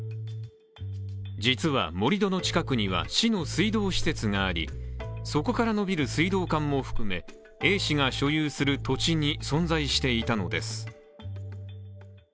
実は、盛り土の近くには市の水道施設がありそこから延びる水道管も含めＡ氏の所有する土地に存在していたのです。